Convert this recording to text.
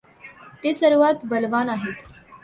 ते सर्वात बलवान आहेत.